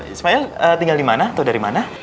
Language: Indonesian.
ismail tinggal di mana atau dari mana